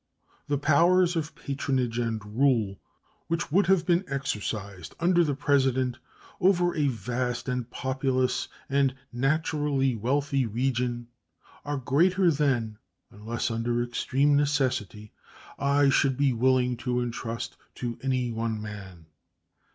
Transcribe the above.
The powers of patronage and rule which would have been exercised under the President, over a vast and populous and naturally wealthy region are greater than, unless under extreme necessity, I should be willing to intrust to any one man.